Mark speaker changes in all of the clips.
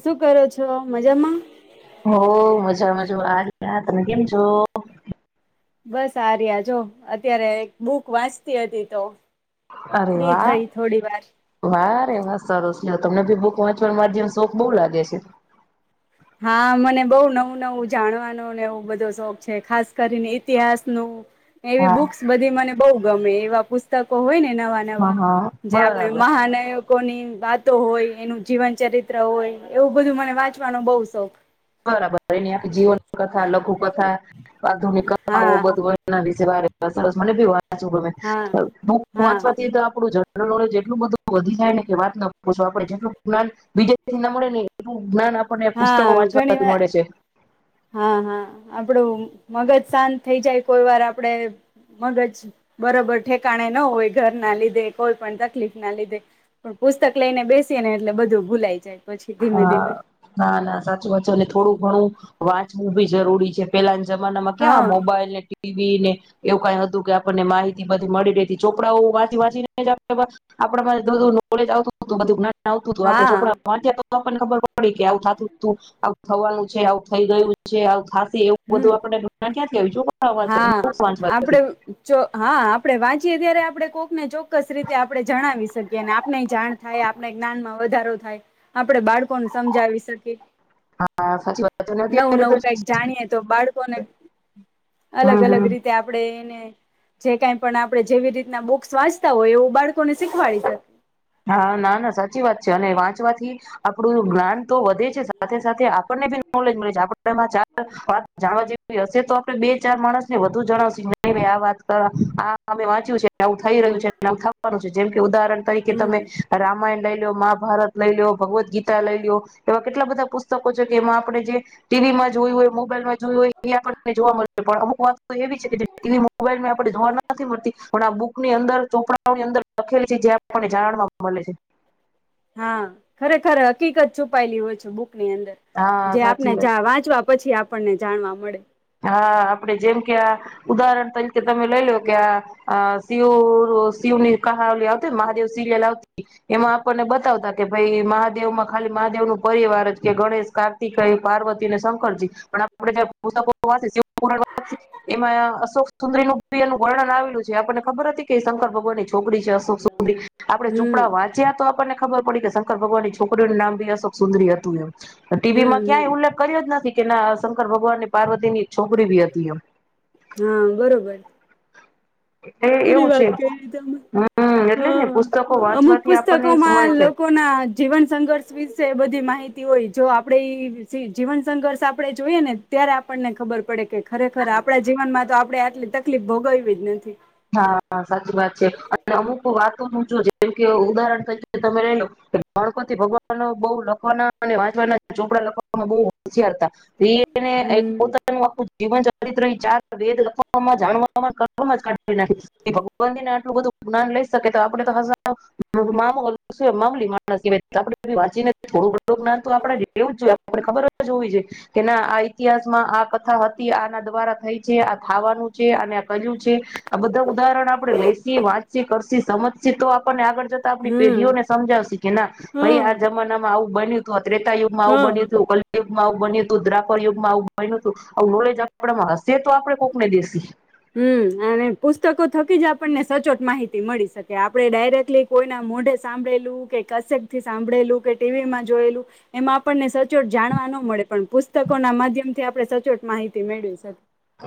Speaker 1: શું કરો છો મજામાં.
Speaker 2: હ મજા મજુ આ ગયા તમે કેમ છો.
Speaker 1: બસ આ રહ્યા જો અત્યારે બુક વાંચતી હતી તો.
Speaker 2: અરે
Speaker 1: ફ્રી
Speaker 2: વાહ,
Speaker 1: થઈ થોડી વાર
Speaker 2: વાહ અરે વાહ સરસને તમને ભી બુક વાંચવા માધ્યમ શોખ બહુ લાગે છે.
Speaker 1: હા મને બહ નવું નવું જાણવાનોને એવું બધો શોખ છે ખાસ કરીને ઈતિહાસ નું એવી
Speaker 2: હા
Speaker 1: બુક્સ બધી મને બઉુ ગમે એવા પુસ્તકો હોય ને નવા
Speaker 2: હા
Speaker 1: નવા,
Speaker 2: હા.
Speaker 1: જે આપણે
Speaker 2: બરાબર
Speaker 1: મહાન ની વાતો હોય એનું જીવન ચરિત્ર હોય એવું બધું મને વાંચવાનું બહુ શોખ.
Speaker 2: બરાબર એની જીવન કથા લઘુ કથા. આધુનિક
Speaker 1: હા
Speaker 2: બધની છે. [unintelligible] મને બી હો સાચું ગમે,
Speaker 1: હા હા
Speaker 2: પહોંચવાથી તો આપણું જ. [unintelligible] જેટલું બધું વધી જાય ને કે વાત નાપૂછો આપ જેટલું જ્ઞાન બીજ ના મળે ને એટલું. જ્ઞાન આપણને
Speaker 1: હા
Speaker 2: પુસ્તકો વાંચ.
Speaker 1: ઘણી
Speaker 2: તક
Speaker 1: વાર
Speaker 2: મળે છે.
Speaker 1: હા હા આપણું મગજ શાંત થઈ જાય કોઈ વાર આપણે મગજ બરાબર ઠેકાણે ન હોય ઘર ના લીધે કોઈ પણ તકલીફ ના લીધે પણ પુસ્તક લઈને બેસીએ ને એટલે બધું ભૂલાઈ જાય. પછી ધીમે
Speaker 2: હા
Speaker 1: ધીમે
Speaker 2: ના ના સાચ વાચ અને થોડું ઘણું. વાંચવું બી જરૂરી છે પેલા. જમાનામાં ક્યા
Speaker 1: હા
Speaker 2: મોબાઈલ ને ટીવી. ને એવું કઈ હતું કે આપણને માહિતી બધી મળી ર હતી ચોપડાઓ વાંચી વાંચીને આપ બધું નોલેજ આવતું હત બધું. આવતું હતું આપે
Speaker 1: હા
Speaker 2: ચોપરા વા તો પણ ખબર. પડી કે આવું થતું. થવાનું છે આવું થઈ ગયું છે આવું થશે એવું
Speaker 1: હમ
Speaker 2: બધું
Speaker 1: હા
Speaker 2: [unintelligible]
Speaker 1: જયારે વાંચીયે ત્યારે આપણે કોકને ચોક્કસ રીતે આપણે જણાવી શકીએ અને આપણે જાણ થાય આપણે જ્ઞાનમાં વધારો થાય. આપડે બાળકોને સમજાવી શકીએ
Speaker 2: હા સાચી વાત છે અને
Speaker 1: નવું
Speaker 2: અત્યારે તો
Speaker 1: નવું કઈક જાણીએ. તો બાળકોને
Speaker 2: હમ
Speaker 1: અલગ
Speaker 2: હમ
Speaker 1: અલગ રીતે આપણેે જે કઈ પણ આપડણે જેવી રીતના બુક્સ વાંચતા હોય એવું બાળકોને શીખવાડી જ.
Speaker 2: હા ના ના સાચી વાત છે અને વાંચ વાથી આપણું જ્ઞાન તો વધે છે સાથે સાથે આપણને બી નોલેજ મળે છે આપ ચ વાત જાણવા જેવી હશે તો આપણે બે ચાર માણસ ને વધુ જણાવશ આ વાત આમે વાંચ્યું છે આવું થઈ રહ્યું છે થવાનું છે જેમ કે ઉદાહરણ કે તમે
Speaker 1: હમ
Speaker 2: રામાયણ લઈ લો મહાભારત લઈ લો, ભગવદ્ ગીતા લઈ લો્યો એવા કેટલા બધા પુસ્તકો છે કે એમાં આપણે જે ટીવીમાં જોયું હોય મોબાઈલમાં જોયું હોય ત્યાં પણ તને જોવા મળે. પણ અમુક વા તો એવી છે કે જે ટી વી, મોબાઈલ [unintelligible] પડી જોવા નથી મળતી, પણ આ બુકની અંદર ચોપડાઓની અંદર લખેલી છે, જે આપ લોકોને જાણમાં [unintelligible] મલે છે.
Speaker 1: હા, ખરેખર હકીકત છુપાયેલી હોય છે, બુ ક અંદર,
Speaker 2: હા
Speaker 1: જે આપને
Speaker 2: સાચી વાત છે.
Speaker 1: જા વાંચવા પછી આપ આપણને જાણવા મળે.
Speaker 2: હા, આપડે જેમ કે આ ઉદાહરણ તરીકે તમે લઈ લો કે આ આ શિવ શિવની કહાવલી આવતી ન મહાદેવ સિરિયલ આવતી. એમાં આપણને બતાવતા કે ભઈ મહાદેવમાં ખાલી મહાદેવ નું પરિવાર જ કે ગણેશ, કાર્તિકેય, પાર્વતી ને શંકરજી, પણ આપડે [unintelligible] [unintelligible] શિવપુરાણ [unintelligible] એમાં આ અશોક સુંદરીનું એનું વર્ણન આવેલું છે, આપણને ખબર હતી કે શંકર ભગવાનની છોકરી છે અશોક સુંદરી, આપણે
Speaker 1: હમ
Speaker 2: ચૂપડા વાંચ્યા તો આપણને ખબર પડી કે શંકર ભગવાનની છોકરીઓનું નામ ભી અશોકસુંદરી અતું યેમ. તો ટી વી
Speaker 1: હમ
Speaker 2: માં
Speaker 1: હમ
Speaker 2: ક્યાંય ઉલ્લેખ કર્યો જ નથી. કે ના આ શંકર ભગવાનને પાર્વ તીની છોકરી ભી અતી યેમ.
Speaker 1: હા બરોબર ખરી વાત કયરી તમે,
Speaker 2: હમ એટલે જ ને પુસ્તકો
Speaker 1: હં અમુક
Speaker 2: વાંચવાથી આપણને શું મળે
Speaker 1: પુસ્તકોમાં
Speaker 2: છે
Speaker 1: લોકોના જીવન સંઘર્ષ વિશે બધી માહિ હિતી હોય, જો આપડે ઈ જીવન સંઘર્ષ આપડે જોઈએ ને, ત્યારે આપણને ખબર પડે કે ખરેખર આપડા જીવનમાં તો આપડે આટલી તકલીફ ભોગય્વી જ નથી.
Speaker 2: હાં હાં, સાચી વાત છે અને અમુક વાતોનું જો જેમ કે ઉદાહરણ [unintelligible] તમારે [unintelligible] ગણપતિ ભગવાન બઉ લખવાના અને વાંચવાના ચોપડા લખવામાં બહુ હોશિયાર હતા. એઇપને આય્
Speaker 1: હમ
Speaker 2: પોતાનું આખુ એ [unintelligible] ચરિત્ર ઈ ચાર વેદ લખવામાં, જાણવામાં, કરવામાંજ કાઢ કરી નાંખી, એ ભગવાન થઈને આટલું બધું જ્ઞાન લઈ શકે, તો આપડે તો [unintelligible] મામુલી માણસ કેવાય, તો આપડે બધી વાંચીને થોડું બઢુ જ્ઞાન તો આપડે દે દેવું જ જોઈએ. આપડે ખબર જ હોવી છે, કે ના આ ઈતિહાસમાં આ કથા હતી, આના દ્વારા થઈ છે, આ થાવાનું છે અને આ કર્યું છે. આ બધા ઉદાહરણ આપડે લેસીએ, વાંચીએ, કરશી, સમજશી તો આપણને આગળ જો તા આપડી
Speaker 1: હમ.
Speaker 2: પેઢીઓને સમજાવશી, કે ના ભઈ આ
Speaker 1: હમ
Speaker 2: જમાનામાં આવું બન્યુ. ક ત્રેતા યુગમાં આવું બન્યું તું
Speaker 1: હમ
Speaker 2: [unintelligible] માં આવુ બન્યું તુ, દ્વાપર યુગમાં આવું બયનું આવુ નોલેજ આપડામાં હસ છે તો આપણે કોકને દેશી.
Speaker 1: હમ અને પુસ્તકો થકી જ આપણને સચોટ માહિતી મળી શકે, આપડે ડાયરેક્ટલી કોઈના મોઢે સાંભળેલું કે કશેકથી સાંભળેલું કે ટી વીમાં જોયેલું એમાં આપણને સચોટ જાણવા ન મળે, પણ પુસ્તકોના માધ્યમથી આપણે સચોટ માહિતી મેળવી શક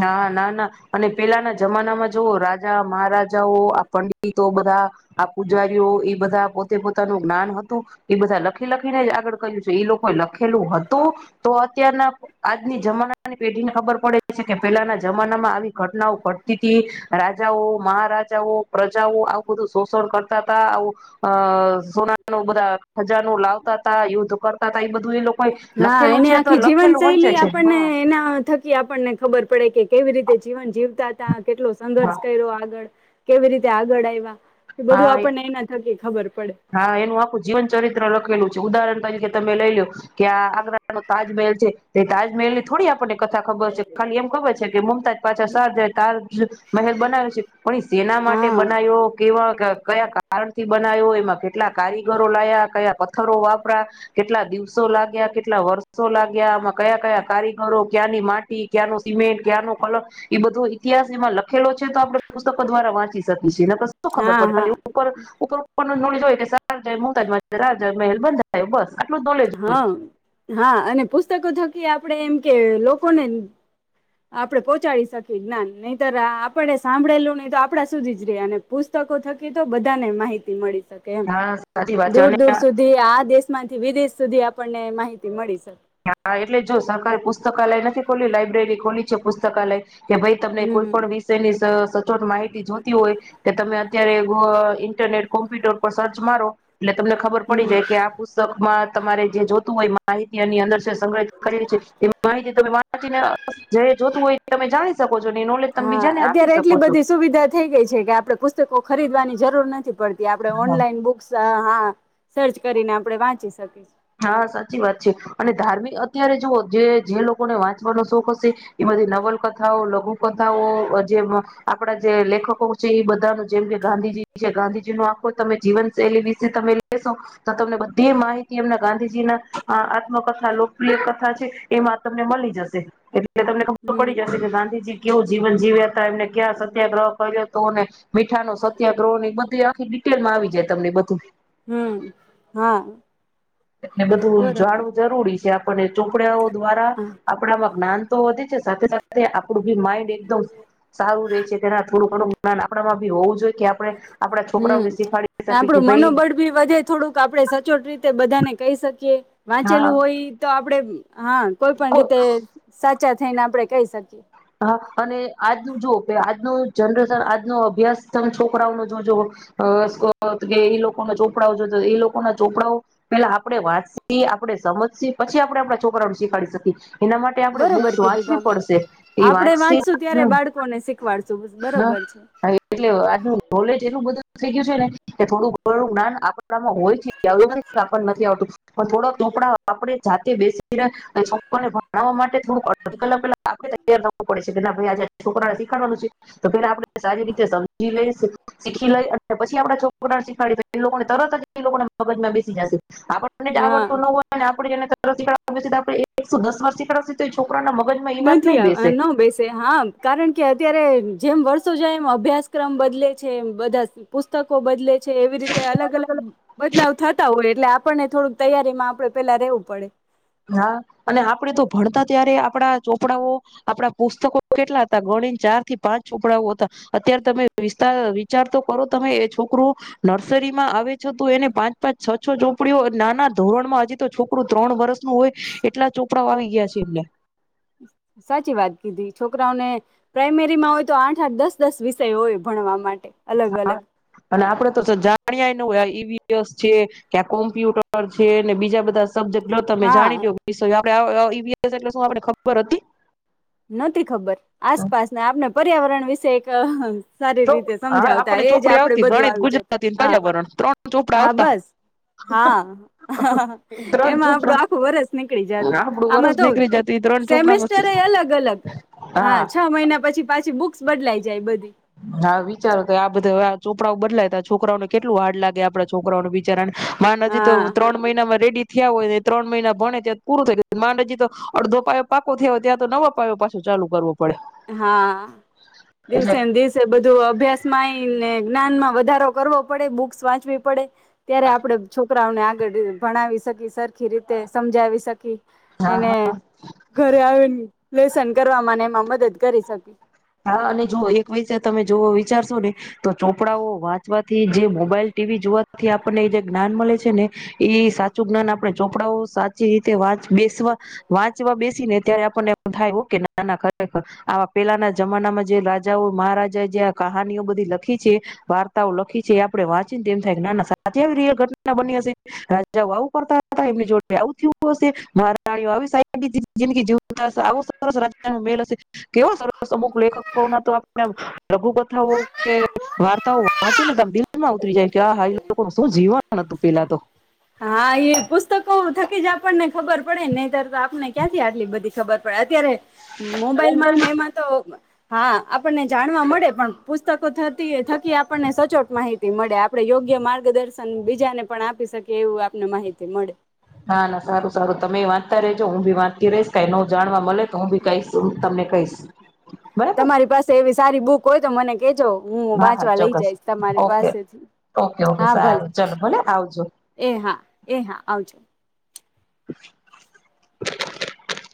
Speaker 2: ના-ના-ના અને પેલાના જમાનામાં જો રાજા, મહારાજાઓ આ પંડિતો બધા આ પૂજારીઓ એ બધા પોતે પોતાનું જ્ઞાન હતું એ બધા લખી લખીને આગળ કર્યું છે એ લોકોએ લખ ખેલું હતું તો અત્યારના આજની જમાના અને પેઢીને ખબર પડે છે કે પેલાના જમાનામાં આવી ઘટનાઓ ઘટતી તી રાજાઓ, મહારાજાઓ, પ્રજાઓ આવું બધું શોષણ કરતા તા આવું અ સુના બધા ખજાનું લાવતા તા યુદ્ધ કરતા તા ઈ બધું એ લોક
Speaker 1: હા એને આખી જીવન શૈલી
Speaker 2: છે
Speaker 1: આપણને
Speaker 2: હા
Speaker 1: એના થકી આપણને ખબર પડે કે કેવી રીતે જીવન જીવતા તા કેટલુ
Speaker 2: હા
Speaker 1: સંઘર્ષ કયરો આગળ કેવી રીતે આગળ આયવા તે બધું
Speaker 2: હા
Speaker 1: આપણને એમના થકી ખબર પડે
Speaker 2: હા, એનું આખું જીવન ચરિત્ર લખેલું છે ઉદાહરણ કે તમે લઈ લ્યો કે આ આગ્રાનો તાજમહેલ છે તે તાજમહેલની થોડી આપણને કથા ખબર છે ખાલી એમ ખબર છે કે મુમતાજ પાછા શાહજહાં તાજમહેલ બનાવે છે પણ એ શેના માટે
Speaker 1: હા
Speaker 2: બનાવ્યો? કેવા ઘા કયા કારણથી બનાયવો એમાં કેટલા કારીગરો લાયા, કયા પથ્થરો વાપરા, કેટલા દિવસો લાગ્યા, કેટલા વર્ષો લાગ્યા, આમાં કયા-કયા કારીગરો, ક્યાંની માટી, ક્યાંનો સિમેન્ટ, ક્યાંનો કલર એ બધો ઇતિહાસ એમાં લખેલો છે તો આપડે પુસ્તકો દ્વારા વાંચી શક જેના પાસે શું ખબર
Speaker 1: હા
Speaker 2: પડે
Speaker 1: હા
Speaker 2: ખાલી ઉપર-ઉપર [unintelligible] જોઈ એ સાર જયમું તાજ [unintelligible] તાજમહેલ બંધાયો બસ- -
Speaker 1: હા-હા અને પુસ પુસ્તકો થકી આપડે એમ કે લોકોને આપણે પહોંચાડી શકીએ જ્ઞાન નહિતર આપણે સાંભળેલું નહી તો આપડા સુધી જ રે અને પુસ્તકો થકી તો બધાને માહિતી મળી એમ
Speaker 2: હા સાચી વાત છે અને
Speaker 1: દૂર-દૂર સુધી આ દેશ માંથી વિદેશ સુધી આપણને માહિતી મળીશ.
Speaker 2: હા એટલે જો સરકારે પુસ્તકાલય નથી ખોલ્યું લાયબ્રેરી કોની છે પુસ્તકાલય? કે ભાઈ તમને કોઈ
Speaker 1: હમ
Speaker 2: પણ વિષય ની સ સચોટ માહિતી જોતી હોય કે તમે અત્યારે અ ઇન્ટરનેટ કોમ્પ્યુટર પર સર્ચ મારો એટલે તમને ખબર પડી
Speaker 1: હમ
Speaker 2: જાય કે આ પુસ્તકમાં તમારે જે જોતું હોય આ ઈ એની અંદર સ સંગ્રહ કરી છે એ માહિતી તમે વાંચીને જયે જોતું હોય તમે જાની શક.
Speaker 1: હા અત્યારે એટલી બધી સુવિધા થઈ ગઈ છે કે આપડે પુસ્તકો ખરીદવાની જરૂર નથી પડતી. આપડે ઓનલાઈન બુક્સ અ હા સર્ચ કરીને આપણે વાંચી શકીશ.
Speaker 2: હા સાચી વાત છે અને ધાર્મિક અત્યારે જુઓ જે જે લોકોને વાંચવાનો શોખ હશે એ બધી નવલકથાઓ, લઘુ કથાઓ, જે આપડા જે લેખકો છે, એ બધા ન જેમ કે ગાંધીજી છે, ગાંધીજી નો આખો તમે જીવન શૈલી વિશે તમે લેશો તો તમને બધી માહિતી તી એમના ગાંધીજી ના આત્મકથા લોકપ્રિય કથા છે એમાં તમને મળી જશે. એટલે તમને ખબર પડી
Speaker 1: હમ
Speaker 2: જશે કે ગાંધીજી કેવું જીવન જીવ્યા હતા એમને ક્યાં સત્યાગ્રહ કર્યો હતોને. મીઠાનો સત્યાગ્રહો ની બધી આખી ડિટેલ માં આવી જાય તમને બધું.
Speaker 1: હમ હા
Speaker 2: એને બધું
Speaker 1: બરોબર
Speaker 2: જાળવું જરૂરી બીજા અને ચોપડાઓ દ્વારા
Speaker 1: હા
Speaker 2: આપણામાં જ્ઞાન તો વધે છે સાથે સાથે આપ ડું બી માઈન્ડ એકદમ સારું રે છે, કે ના થોડું ઘુંણું જ્ઞાન આપડામાં ભી હોવું જોઈએ.
Speaker 1: હમ
Speaker 2: છોકરાઓને શીખાડી શકીએ
Speaker 1: આપડું
Speaker 2: કે ભાઈ
Speaker 1: મનોબળ ભી વધે, થોડુંક આપડે સચોટ રીતે બધાને કહી શકીએ. વાંચેલું
Speaker 2: હા
Speaker 1: હોય, તો આપડે હા, કોઈ પંડિતે સાચ ચા થઈને આપણે કહી શકીએ.
Speaker 2: હા, અને આજનું જો આજનું જનરેશન, આજનો અભ્યાસ તમે છોકરાઓ નો જો જો હો. કે એ લોકોના ચોપડાઓ જો જો. એ લોકોના ચોપડાઓ પેલા આપણે વાંચસી આપડે સમજસી પછી આપડે આપણા છોકરાઓને શીખાડી શકીએ. એના માટે આપણે બુક્સ વાંચવી પડશે. એ
Speaker 1: આપડે
Speaker 2: વાંચશે
Speaker 1: વાંચશું ત્યારે
Speaker 2: હમ
Speaker 1: બાળકોને શીખવા
Speaker 2: હા, હા એટલે આજનું નોલેજ એટલું બધું થઈ ગયું છે ને, કે થોડું ઘણું જ્ઞાન આપડ આપડામાં હોય છે, આવું નથી કે આપણને નથી આવતું. પણ થોડાો ચોપડા આપડે જાતે બેસી છોકર ને ભણાવવા માટે શતીકાલે પેલા આપે તૈયાર થવું પડે છે કે ના ભાઈ આજે છોકરા ને શીખાવાનું છે. તો ફર આપણે સારી રીતે સમજી લઈશ. શીખી લે અને પછી આપડા છોકરાને શીખવાડી એ લોકોને તરત જ એ લોકોને મગજમાં બેસી જશે. આપણ મને જ
Speaker 1: હા
Speaker 2: આવડતું ન હોય ને. આપ [unintelligible] એક દસ વર્ષથી.
Speaker 1: નથી ન બેસે હા કારણ કે અત્યારે. જેમ વર્ષો જાય એમ અભ્યાસક્રમ બદલે છે એમ બધા પુસ્તકો બદલે છે. છે એવી રીતે અલગ અલગ બદલાવ થતા હોય. એટલે આપણને થોડુંક તૈયારીમાં આપણે પેલા રહેવું પડે.
Speaker 2: હા અને આપડે તો ભણતા ત્યારે આપડા ચોપડાઓ આપડા પુસ્તકો કેટલા હતા ગણીને ચાર થી પાંચ ચોપડાઓ હતા. અત્યારે તમે વિસ્તાર વિચાર તો કરો તમે એ છોકરું નર્સરી માં આવે છો તો એને પાંચ પાંચ છ છ ચોપડીઓ નાના ધોરણ માં હજી તો છોકરું ત્રણ વર્ષ. હોય એટલા ચોપડા વા આવી ગયા છે એમને.
Speaker 1: સાચી વાત કીધી છોકરાઓને પ્રાઈમેરીમાં હોય તો આઠ આઠ દસ દસ વિષય હોય ભણવા માટે. અલગ
Speaker 2: હા
Speaker 1: અલગ
Speaker 2: અને આપડ તો જાણ્યાય ન હોય આ ઈવીએસ છે કે કોમ્પ્યુટર છે બીજા બધા. બ્જે તમે
Speaker 1: હા
Speaker 2: જાણી દ વી એટલે શું આપને ખબર હતી.
Speaker 1: નથી ખબર આસપાસ આપને. પર્યાવરણ વિષયક. સારી રીતે
Speaker 2: હા
Speaker 1: સમજાવતા
Speaker 2: આપણને
Speaker 1: એજ
Speaker 2: ચોપડી
Speaker 1: આપડે
Speaker 2: આવતી
Speaker 1: બધું
Speaker 2: ગણિત
Speaker 1: આવી જતું
Speaker 2: ગુજરાતી
Speaker 1: હા
Speaker 2: પર્યાવરણ ત્રણ ચોપડા
Speaker 1: હા
Speaker 2: આવતા
Speaker 1: બસ, હા
Speaker 2: ત્રણ
Speaker 1: એમાં આપડું
Speaker 2: ચોપડા
Speaker 1: આખું વરસ નીકળી જતું
Speaker 2: આપડું
Speaker 1: આમાં
Speaker 2: વરસ
Speaker 1: તો
Speaker 2: નીકળી જતી ત્રણ
Speaker 1: સેસ્ટર એ
Speaker 2: ચોપડામાં
Speaker 1: અલગ. હા છ મહિના પછી પાછી બુક્સ બદલાઈ જાય બધ
Speaker 2: હા વિચારો તો આ બધા વાત. છોપરાઓ બદલાયતા છોકરાઓને કેટલ હાર લે આપડા છોકરાઓને બી. મા નથીજી તો
Speaker 1: હા
Speaker 2: ત્રણ મહિના માં રેડી. થયા હોય ને ત્રણ મહિના ભણે ત્યાં પૂરું થયું માંડજી તો અડધો પાયો પાકો થયા હોય ત્યાં તો નવા પાયો પાછો ચાલુ કરવો. પડે
Speaker 1: હા દિવસે
Speaker 2: એટલે
Speaker 1: દિવસે બધું અભ્યાસ માં ને જ્ઞાનમાં વધારો કરવો પડે બુક્સ વાંચવી પડે. ત્યારે આપડે છો છોકરાઓને આગળ ભણાવી શકી સરખી રીતે સમજાવી શકી.
Speaker 2: હા
Speaker 1: એને ઘરે આવે. લેસન કરવા મને એમાં મદદ. કરી શકી
Speaker 2: હા અને જો એક વૈસા તમે જોવો. વિચારશો ને તો ચોપડાઓ વાંચવાથી જે મોબાઈલ ટીવી જોવાથી આપણને જે જ્ઞાન મળે છે, ને એ સાચું જ્ઞાન આપણે ચોપડાઓ સાચી રીતે વા બેસવા વાંચવા બેસી ને ત્યારે આપણને થાય ઓકે નાના ખરેખર આવા પેલાના. જમાનામાં જે રાજાઓ મહારા એ જેં કહાનીઓ બધી લખી છે વાર્તાઓ લખી છે આપડે વાંચીને તેમમ થાય કે ના ના સા અત આવી ર ઘટના બની હશે આવું કરતા હતા એમની જોડે આવું થયું હશે માાણીઓ આવી સાઈ જેન કે જીવ આવો સરસ રાજ્ય મેલ હશે કેવો સરસ. અમુક લેખકો ના તો આપણા લઘુકથાઓ કે વાર્તાઓ- ને ત દિલ માં ઉતરી જાય કે હ હા એ લોકો શું જીવન હતું પેલા તો
Speaker 1: હા એ પુસ્તકો થકી જ આપણને ખબર પડે નહ તર આપને ક્યાંથી આટલી બધી ખબર પ [unintelligible] અત્યારે મોબાઈલ માં ને એમાં તો હા આપણને જાણવા મળે પણ પુસ્તકો થતી થકી આપણને સચોટ માહિતી મળે આપડે યોગ્ય માર્ગદર્શન બીજાને પણ આપી શકીએ. કેવું આપને માહિતી મળે.
Speaker 2: ના ના સારું સારું તમે વાંચતા ર રહેજો હું ભી વાંચતી રહીશ ક ન જાણવા મળે તો હું ભી કહીશ હું તમને કહીશ. બરાબર
Speaker 1: તમારી પાસે એવી સારી બુક કોઈ તો મને કેજો. હું
Speaker 2: હા હા
Speaker 1: વાંચવા લઈ
Speaker 2: ચોક્કસ
Speaker 1: જઈશ તમારી
Speaker 2: ઓકે
Speaker 1: પાસેથી
Speaker 2: ઓકે ઓકે
Speaker 1: હા ભલે
Speaker 2: સારું ચલો ભલે આવજો.
Speaker 1: એ હા એ હા આવજો.
Speaker 2: [inaudible]